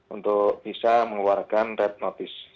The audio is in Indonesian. untuk bisa mengeluarkan red notice